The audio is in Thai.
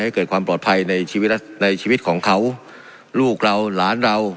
ให้เกิดความปลอดภัยในชีวิตในชีวิตของเขาลูกเราหลานเรา